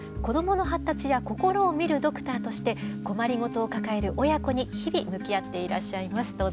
子どもの発達や心を診るドクターとして困りごとを抱える親子に日々向き合っていらっしゃいます。